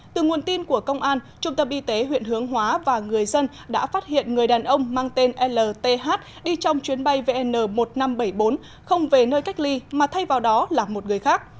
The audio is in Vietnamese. từ nguồn tin của công an trung tâm y tế huyện hướng hóa và người dân đã phát hiện người đàn ông mang tên lth đi trong chuyến bay vn một nghìn năm trăm bảy mươi bốn không về nơi cách ly mà thay vào đó là một người khác